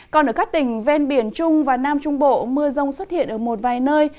còn ở các tỉnh ven biển trung và nam trung bộ mưa rông xuất hiện ở một vài nơi